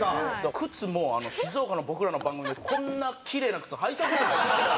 靴も静岡の僕らの番組でこんなキレイな靴履いた事ないですよ。